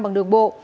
bằng đường bộ